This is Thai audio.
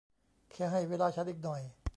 แค่ให้เวลาฉันอีกหน่อย